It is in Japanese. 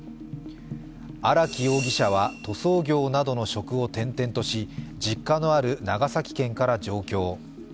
荒木容疑者は塗装業などの職を転々とし実家のある長崎県から上京。